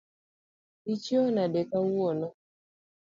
Ichiew nade kawuono.